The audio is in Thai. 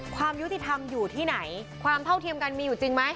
ความยุติธรรมอยู่ที่ไหนความเท่าเทียมกันมีอยู่จริงไหม